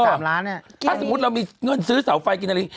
ถ้าสมมุติเรามีเงินซื้อเสาไฟกินอะไร